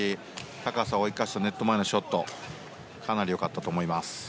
高さを生かしたネット前のショットかなり良かったと思います。